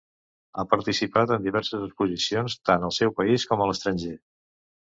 Ha participat en diverses exposicions tant al seu país com a l'estranger.